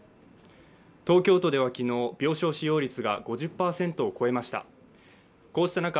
東京都ではきのう病床使用率が５０％を超えました